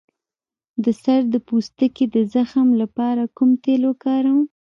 د سر د پوستکي د زخم لپاره کوم تېل وکاروم؟